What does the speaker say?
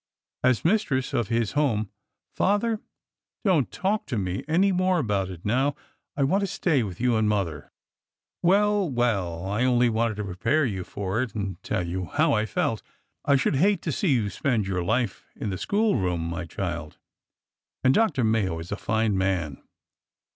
As mistress of his home —" Father, don't talk to me any more about it now. I want to stay with you and mother." Well, well 1 I only wanted to prepare you for it and tell you how I felt. I should hate to see you spend your life in the school room, my child. And Dr. Mayo is a fine man."